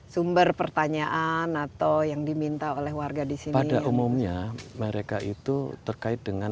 sumber pertanyaan atau yang diminta oleh warga di sini umumnya mereka itu terkait dengan